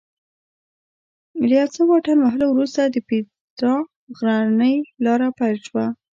له یو څه واټن وهلو وروسته د پیترا غرنۍ لاره پیل شوه.